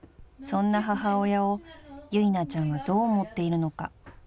［そんな母親を由奈ちゃんはどう思っているのか］